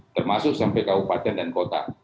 termasuk sampai ke upatan dan kota